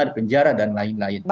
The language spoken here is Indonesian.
di penjara dan lain lain